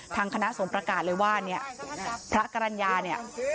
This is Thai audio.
ทางคณะสงฆ์ประกาศเลยว่าเนี่ยพระกรรณญาเนี่ย